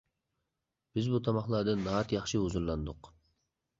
بىز بۇ تاماقلاردىن ناھايىتى ياخشى ھۇزۇرلاندۇق.